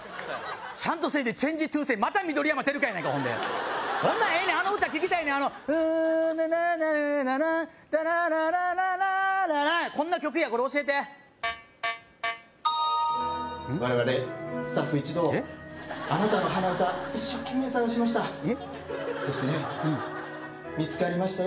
ちゃんとせえで「ＣＨＡＮＧＥＴＯＳＡＹ」また緑山テルコやないかいほんでそんなんええねんあの歌聴きたいねんあのこんな曲やこれ教えて我々スタッフ一同あなたの鼻歌一生懸命探しましたそしてね見つかりましたよ